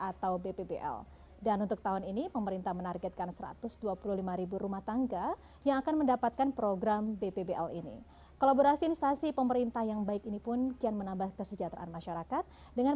atau yang sudah dihasilkan